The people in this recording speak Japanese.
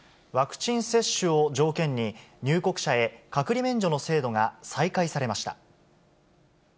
ワクチン接種を条件に、入国者へ隔離免除の制度が再開されました。